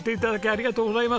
ありがとうございます！